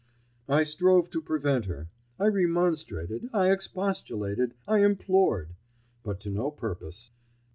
I strove to prevent her: I remonstrated, I expostulated, I implored; but to no purpose.